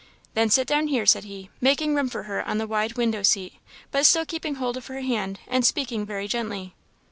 "Then sit down here," said he, making room for her on the wide window seat, but still keeping hold of her hand and speaking very gently.